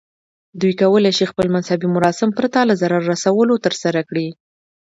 دوی کولی شي خپل مذهبي مراسم پرته له ضرر رسولو ترسره کړي.